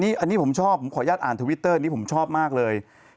อันนี้ผมชอบผมขออนุญาตอ่านทวิตเตอร์นี้ผมชอบมากเลย